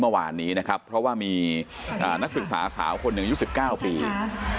เมื่อวามีนะคะเพราะว่ามีอ่านักศึกษาสาวคนหนึ่งยี่สิบเก้าปีนะคะ